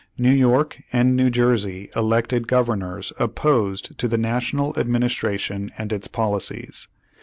New York and New Jersey elected governors opposed to the National Administra tion and its policies.